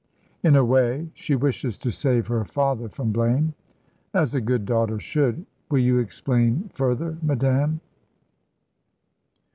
"In a way. She wishes to save her father from blame." "As a good daughter should. Will you explain further, madame?"